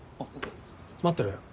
待ってろよ。